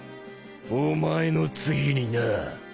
お前の次にな！